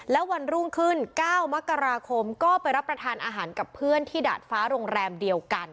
แล้ววันรุ่งขึ้น๙มกราคมก็ไปรับประทานอาหารกับเพื่อนที่ดาดฟ้าโรงแรมเดียวกัน